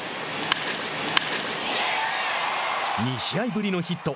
２試合ぶりのヒット。